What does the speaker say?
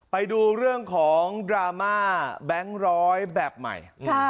ไปดูเรื่องของดราม่าแบงค์ร้อยแบบใหม่